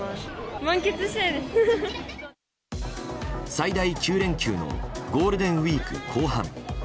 最大９連休のゴールデンウィーク後半。